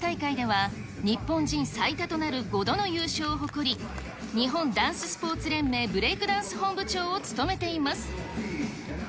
日本で行われる最大規模のダンス大会、日本人最多となる５度の優勝を誇り、日本ダンススポーツ連盟ブレイクダンス本部長を務めています。